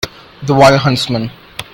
The wild huntsman.